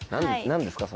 何ですか？